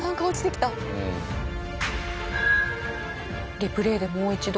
リプレーでもう一度。